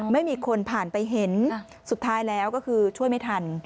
ไม่มีคนผ่านไปเห็นสุดท้ายแล้วก็คือช่วยไม่ทัน